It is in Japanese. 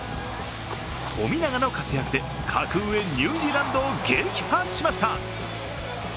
富永の活躍で格上ニュージーランドを撃破しました。